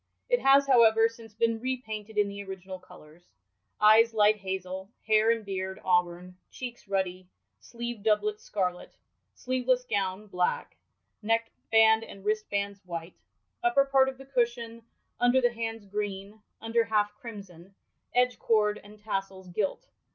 * It has, however, since been repainted in the original colours : eyes light hazel, hair and beard auburn, cheeks ruddy, sleevd doublet scarlet, sleeveless gown black, neckband and wristbands white ; upper part of the cushion, under the bands, green ; under half, crimson ; edge cord and tassels, gilt.